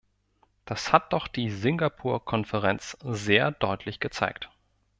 Das hat doch die Singapur-Konferenz sehr deutlich gezeigt.